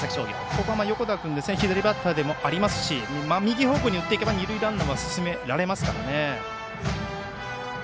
ここは横田君左バッターでもありますし右方向に打っていけば二塁ランナーは進められますから。